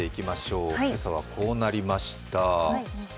今朝はこうなりました。